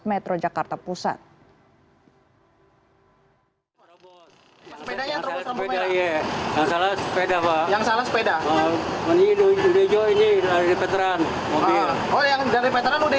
metro jakarta pusat yang salah sepeda sepeda ini dari veteran vector yang dari veteran